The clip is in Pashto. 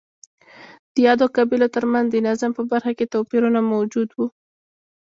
د یادو قبیلو ترمنځ د نظم په برخه کې توپیرونه موجود وو